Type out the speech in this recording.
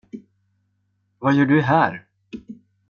Vad gör du här?